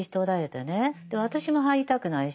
で私も入りたくないし。